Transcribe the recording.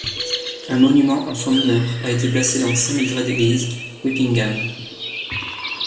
Un monument en son honneur a été placé dans Saint-Mildred Église, Whippingham.